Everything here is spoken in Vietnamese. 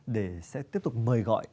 để sẽ tiếp tục mời gọi